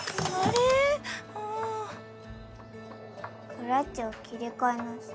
クラッチを切り替えなさい。